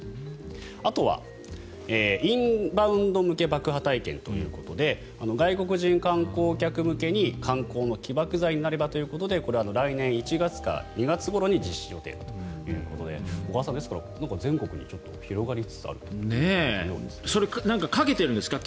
あとはインバウンド向け爆破体験ということで外国人観光客向けに観光の起爆剤になればということでこれは来年１月か２月ごろに実施予定だということで小川さん、ですから全国に広がりつつあるということのようですね。